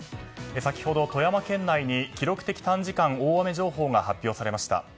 先ほど富山県内に記録的短時間大雨情報が発表されました。